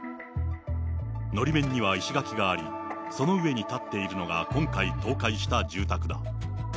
のり面には石垣があり、その上に建っているのが、今回倒壊した住宅。